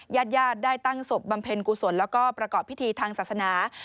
ญาติญาติได้ตั้งศพบำเพ็ญกุศลแล้วก็ประกอบพิธีทางศาสนา